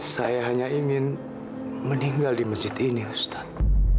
saya hanya ingin meninggal di masjid ini ustadz